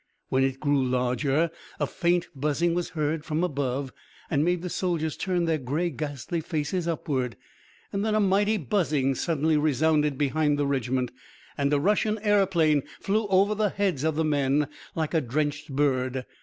When it grew larger, a faint buzzing was heard from above and made the soldiers turn their grey, ghastly faces upward.... Then a mighty buzzing suddenly resounded behind the regiment, and a Russian aeroplane flew over the heads of the men like a drenched bird.